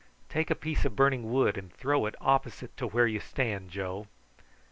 "Take a piece of burning wood and throw it opposite to where you stand, Joe."